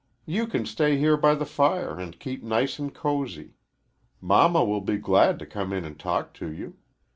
You can stay here by the fire and keep nice and cozy. Mamma will be glad to come in and talk to you.